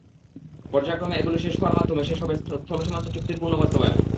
পর্যায়ক্রমে এগুলো শেষ হওয়ার মাধ্যমে শেষ হবে স্থলসীমান্ত চুক্তির পূর্ণ বাস্তবায়ন।